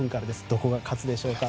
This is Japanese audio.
どこが勝つでしょうか。